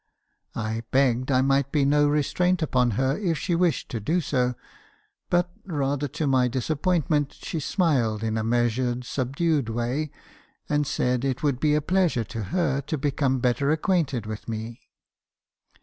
I begged I might be no restraint upon her if she wished to do so ; but (rather to my disappointment) she smiled in a measured, subdued way, and said it would be a pleasure to her to become better acquainted with me.